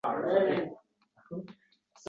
Xotin olgandan keyin ona kerak bo‘lmay qolarkan.